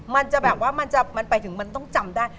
มันจะแบบว่ามันไปถึงมันต้องจำได้